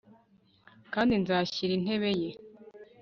kandi nzashyira intebe ye